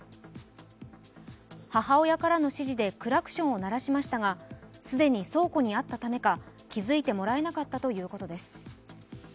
母親からの指示でクラクションを鳴らしましたがすでに倉庫にあったためか気づいてもらえなかったということです。